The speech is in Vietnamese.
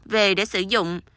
về để sử dụng